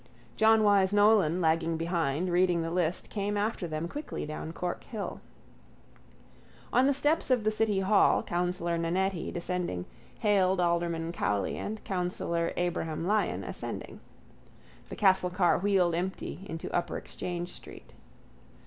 John Wyse Nolan, lagging behind, reading the list, came after them quickly down Cork hill. On the steps of the City hall Councillor Nannetti, descending, hailed Alderman Cowley and Councillor Abraham Lyon ascending. The castle car wheeled empty into upper Exchange street.